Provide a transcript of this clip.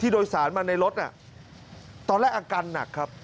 โดยสารมาในรถน่ะตอนแรกอาการหนักครับ